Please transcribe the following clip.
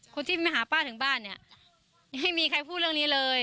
คนที่มาหาป้าถึงบ้านเนี่ยไม่มีใครพูดเรื่องนี้เลย